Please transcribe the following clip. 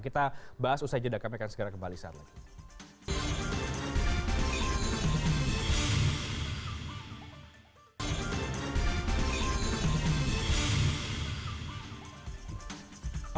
kita bahas usai jeda kami akan segera kembali saat lagi